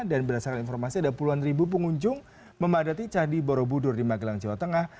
dan berdasarkan informasi ada puluhan ribu pengunjung memadati candi borobudur di magelang jawa tengah